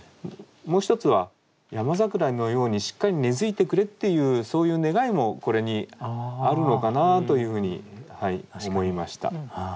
もう一つは山桜のようにしっかり根づいてくれっていうそういう願いもこれにあるのかなというふうに思いました。